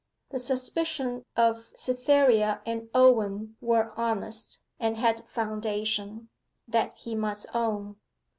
The suspicions of Cytherea and Owen were honest, and had foundation that he must own.